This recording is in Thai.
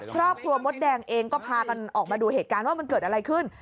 ครอบครัวมดแดงเองก็พากันออกมาดูเหตุการณ์ว่ามันเกิดอะไรขึ้น